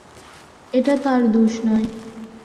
এটা তার দোষ নয়।